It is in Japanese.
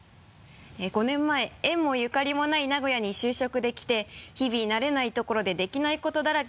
「５年前縁もゆかりもない名古屋に就職できて日々慣れない所でできないことだらけ」